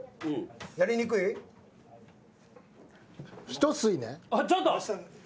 一吸いね。